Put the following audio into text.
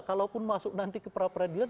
kalaupun masuk nanti ke pra peradilan